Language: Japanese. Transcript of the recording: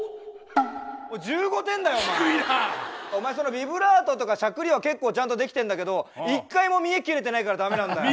お前そのビブラートとかしゃくりは結構ちゃんとできてんだけど一回も見得切れてないからダメなんだよ。